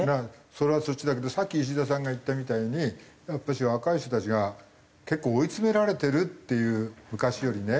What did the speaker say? それはそっちだけどさっき石田さんが言ったみたいにやっぱし若い人たちが結構追い詰められてるっていう昔よりね。